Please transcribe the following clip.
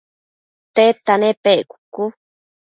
tedta nepec?cucu